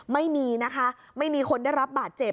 ไม่มีนะคะไม่มีคนได้รับบาดเจ็บ